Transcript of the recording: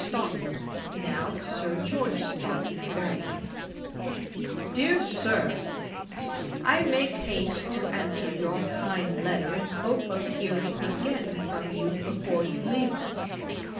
STAUNTON, (NOW SIR GEORGE STAUNTON, BARONET.) 'DEAR SIR, 'I make haste to answer your kind letter, in hope of hearing again from you before you leave us.